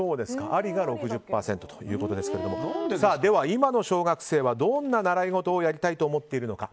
ありが６０％ですが今の小学生はどんな習い事をやりたいと思っているのか。